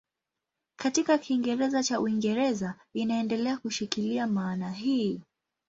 Katika Kiingereza cha Uingereza inaendelea kushikilia maana hii.